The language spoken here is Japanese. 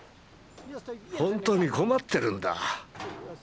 ほんとに困ってるんだ。